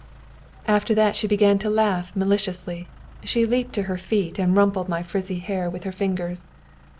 After that she began to laugh maliciously. She leaped to her feet and rumpled my frizzly hair with her fingers.